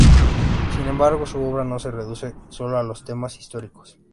Sin embargo, su obra no se reduce solo a los temas históricos.